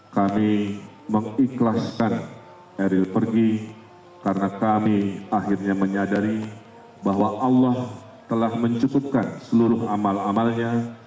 kami mengikhlaskan eril pergi karena kami akhirnya menyadari bahwa allah telah mencukupkan seluruh amal amalnya